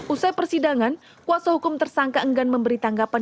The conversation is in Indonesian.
usai persidangan kuasa hukum tersangka enggan memberi tanggapan